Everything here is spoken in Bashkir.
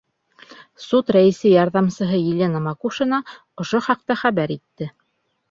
Суд рәйесе ярҙамсыһы Елена Макушина ошо хаҡта хәбәр итте.